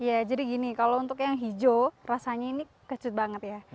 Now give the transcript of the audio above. ya jadi gini kalau untuk yang hijau rasanya ini kecut banget ya